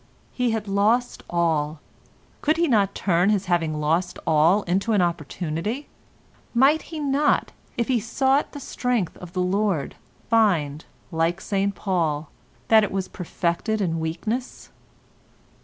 He had lost all. Could he not turn his having lost all into an opportunity? Might he not, if he too sought the strength of the Lord, find, like St Paul, that it was perfected in weakness?